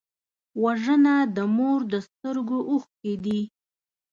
وژنه د مور د سترګو اوښکې دي